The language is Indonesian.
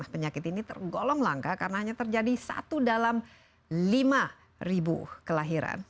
penyakit ini tergolong langka karena hanya terjadi satu dalam lima kelahiran